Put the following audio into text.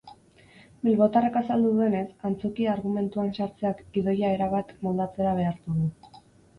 Bilbotarrak azaldu duenez, antzokia argumentuan sartzeak gidoia erabat moldatzera behartu du.